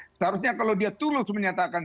seharusnya kalau dia tulus menyatakan